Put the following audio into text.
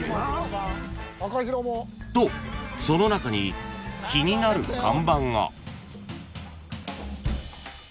［とその中に気になる看板が］